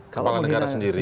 kepala negara sendiri